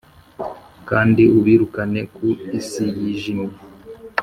kandi ubirukane ku isi yijimye!